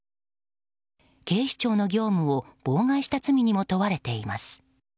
警視庁の業務を妨害した罪にも問われています。